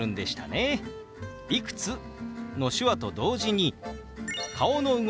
「いくつ？」の手話と同時に顔の動き